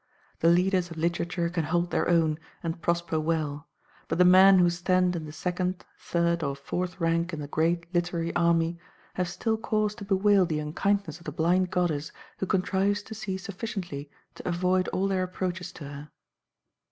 The leaders of literature can hold their own, and prosper well; but the men who stand in the second, third, or fourth rank in the great literary army, have still cause to bewail the unkindness of the blind goddess who contrives to see sufficiently to avoid all their approaches to her.